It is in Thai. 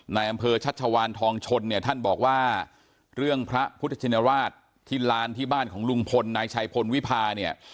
นายอำเภอชัชวานทองชนเนี่ยท่านบอกว่าเรื่องพระพุทธชินราชที่ลานที่บ้านของลุงพลนายชัยพลวิพาเนี่ย